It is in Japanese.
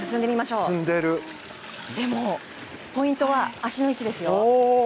でも、ポイントは足の位置です。